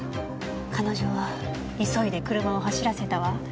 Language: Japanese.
彼女急いで車を走らせたわ。